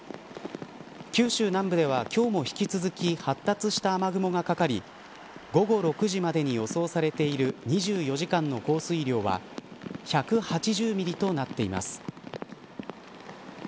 九州南部では今日も引き続き発達した雨雲がかかり午後６時までに予想されている２４時間の降水量は１８０ミリとなっています。